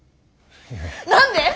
何で？